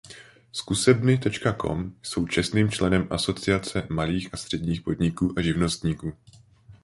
Zkusebny.com jsou čestným členem Asociace malých a středních podniků a živnostníků.